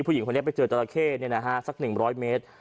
ผู้หญิงคนนี้ไปเจอจราเข้เนี่ยนะฮะสักหนึ่งร้อยเมตร